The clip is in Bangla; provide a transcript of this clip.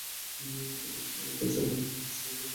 তাঁদের অনুসরণ আমাদের চিরমুক্তির প্রতিশ্রুতি।